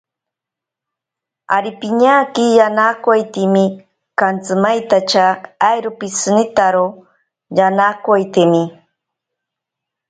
Ari piñaki yanakotaitemi, kantsimaintacha airo pishinitaro yanakotaitemi.